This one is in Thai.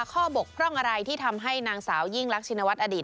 บกพร่องอะไรที่ทำให้นางสาวยิ่งรักชินวัฒนอดีต